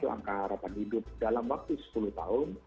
angka harapan hidup dalam waktu sepuluh tahun